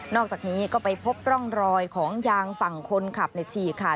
อกจากนี้ก็ไปพบร่องรอยของยางฝั่งคนขับในฉีกค่ะ